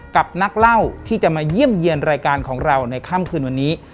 กับนักเล่าที่จะมาเยี่ยมเยี่ยนรายการของเราในค่ำคืนวันนี้